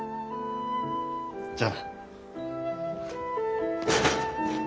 じゃあな。